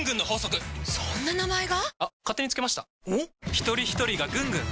ひとりひとりがぐんぐん！